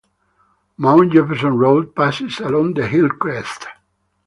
Mount Jefferson Road passes along the hill crest.